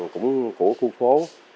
cũng của khu phố